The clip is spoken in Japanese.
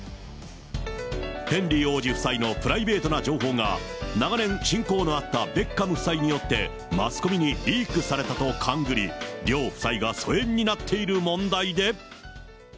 ヘンリー王子夫妻のプライベートな情報が、長年親交のあったベッカム夫妻によって、マスコミにリークされたと勘ぐり、両夫妻が疎遠になっている問題で。